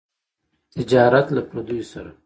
تجارت له پرديو سره.